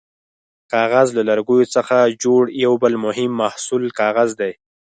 کاغذ: له لرګیو څخه جوړ یو بل مهم محصول کاغذ دی.